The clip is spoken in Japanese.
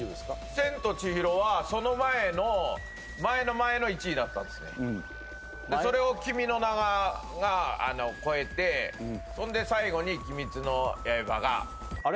「千と千尋」はその前の前の前の１位だったんすねうんでそれを「君の名は。」が超えてそんで最後に「鬼滅の刃」があれ？